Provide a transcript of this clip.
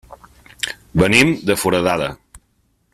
Venim de Foradada.